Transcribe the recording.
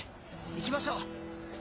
行きましょう。